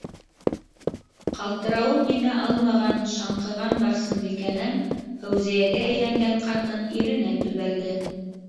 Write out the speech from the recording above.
- Ҡалты рауын еңә алмаған, шаңҡыған Барсынбикәнән Фәүзиәгә әйләнгән ҡатын иренә төбәлде.